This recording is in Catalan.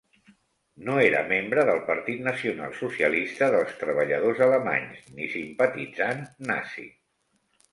No era membre del Partit Nacional Socialista dels Treballadors Alemanys ni simpatitzant Nazi.